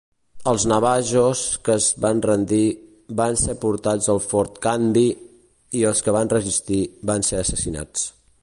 Els navajos que es van rendir van ser portats al Fort Canby i els que van resistir van ser assassinats.